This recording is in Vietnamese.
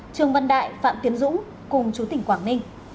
trương văn đại phạm tiến dũng cùng chú tỉnh quảng ninh